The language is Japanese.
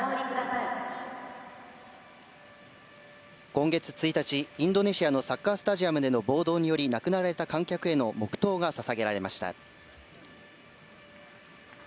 今月１日、インドネシアのサッカースタジアムでの暴動により亡くなられた観客への黙祷が捧げられました。